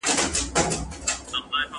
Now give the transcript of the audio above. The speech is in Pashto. لویه بېړۍ ده فقط یو مشر او نور وګړي